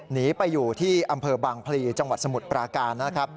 หนีไปอยู่ที่อำเภอบางพลีจังหวัดสมุทรปราการนะครับ